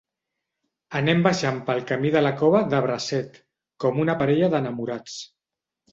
Anem baixant pel camí de la Cova de bracet, com una parella d'enamorats.